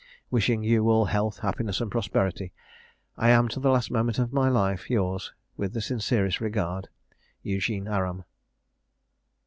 Wishing you all health, happiness, and prosperity, I am, to the last moment of my life, yours, with the sincerest regard, "EUGENE ARAM."